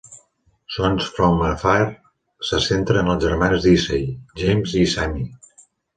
"Sons from Afar" se centra en els germans Dicey, James i Sammy.